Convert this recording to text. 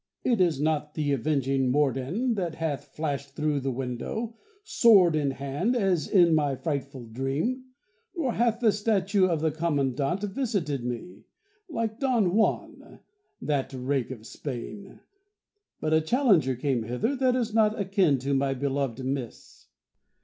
It is not the avenging Morden that hath flashed through the window, sword in hand, as in my frightful dream; nor hath the statue of the Commandant visited me, like Don Juan, that Rake of Spain; but a challenger came hither that is not akin to my beloved Miss.